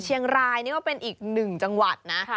เชียงรายนี่ก็เป็นอีกหนึ่งจังหวัดนะ